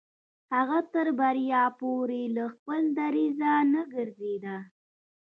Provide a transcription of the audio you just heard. هغه تر بريا پورې له خپل دريځه نه ګرځېده.